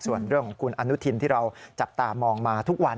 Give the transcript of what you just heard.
ส่วนเรื่องของคุณอนุทินที่เราจับตามองมาทุกวัน